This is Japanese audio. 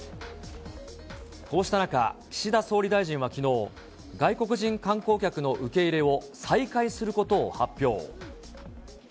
こうした中、岸田総理大臣はきのう、外国人観光客の受け入れを再開することを発表。